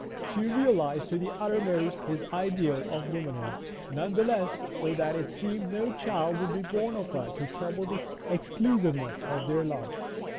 She realised to the uttermost his ideal of womanhood, none the less so that it seemed no child would be born of her to trouble the exclusiveness of their love.